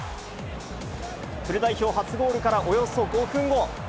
フル代表初ゴールからおよそ５分後。